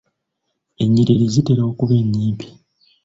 Ennyiriri zitera okuba ennyimpi.